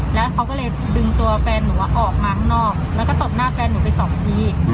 แล้วเขาก็เลยดึงตัวแฟนหนูออกมาข้างนอกแล้วก็ตบหน้าแฟนหนูไปสองที